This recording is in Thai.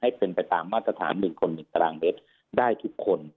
ให้เป็นไปตามมาตรฐาน๑คน๑ตารางเมตรได้ทุกคน